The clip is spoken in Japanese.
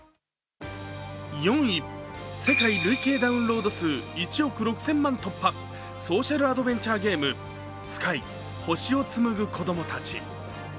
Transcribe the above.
４位、世界累計ダウンロード数１億６０００万突破、ソーシャルアドベンチャーゲーム「Ｓｋｙ星を紡ぐ子どもたち」。